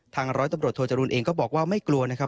ร้อยตำรวจโทจรูลเองก็บอกว่าไม่กลัวนะครับ